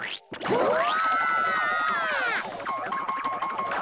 うわ！